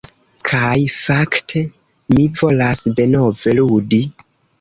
Kaj fakte, mi volas denove ludi!